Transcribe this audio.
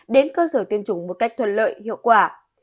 đến cơ sở tiêm chủng một cách thuận lợi hiệu quả